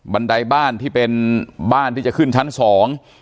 ันไดบ้านที่เป็นบ้านที่จะขึ้นชั้นสอง